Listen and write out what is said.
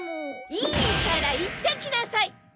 いいから行ってきなさい！